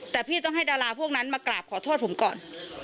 แต่พี่ต้องให้ดาราพวกนั้นมากราบขอโทษผมก่อน